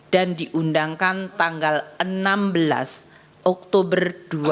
dan diundangkan tanggal enam belas oktober dua ribu dua puluh tiga